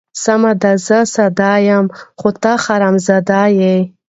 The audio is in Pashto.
سمه ده زه ساده یم، خو ته حرام زاده یې.